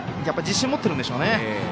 やっぱり自信を持っているんでしょうね。